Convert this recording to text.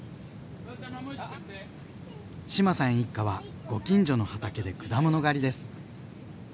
志麻さん一家はご近所の畑で果物狩りです。